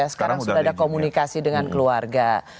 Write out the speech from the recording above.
sekarang sudah ada komunikasi dengan keluarga